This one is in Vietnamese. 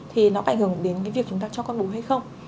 thì nó có ảnh hưởng đến cái việc chúng ta cho con bú hay không